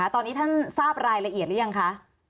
ตอนนี้ท่านทราบรายละเอียดหรือยังคะ